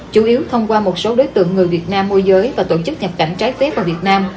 chủ yếu thông qua một số đối tượng người việt nam môi giới và tổ chức nhập cảnh trái phép vào việt nam